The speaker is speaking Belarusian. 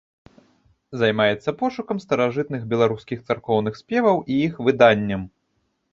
Займаецца пошукам старажытных беларускіх царкоўных спеваў і іх выданнем.